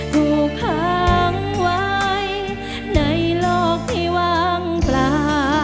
ถูกค้างไว้ในโลกที่วางเปล่า